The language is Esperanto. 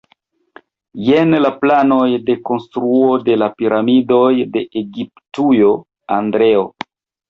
Jen la planoj de konstruo de la piramidoj de Egiptujo, Andreo.